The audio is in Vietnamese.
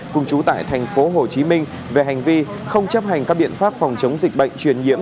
cùng chú tại tp hcm về hành vi không chấp hành các biện pháp phòng chống dịch bệnh truyền nhiễm